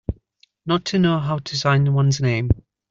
Not to know how to sign one's name.